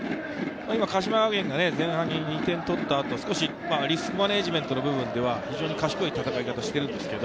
鹿島学園が前半に２点を取ったあと、少しリスクマネジメントの分では賢い戦い方をしています。